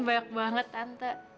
banyak banget tante